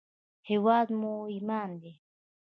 هېواد مو ایمان دی